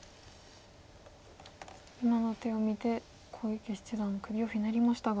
今の手を見て小池七段首をひねりましたが。